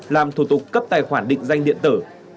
làm thủ tục cấp tài khoản định danh điện tử